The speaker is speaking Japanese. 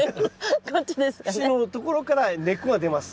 節のところから根っこが出ます。